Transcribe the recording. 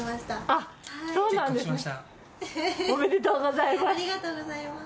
ありがとうございます。